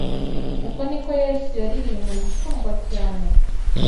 uko niko Yesu yaririye umurwa ukundwa cyane.